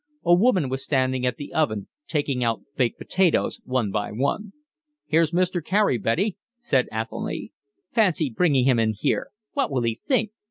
A woman was standing at the oven, taking out baked potatoes one by one. "Here's Mr. Carey, Betty," said Athelny. "Fancy bringing him in here. What will he think?"